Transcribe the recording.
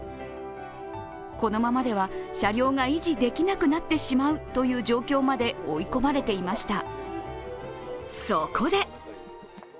このままでは車両が維持できなくなってしまうという状況まで追い込まれていました。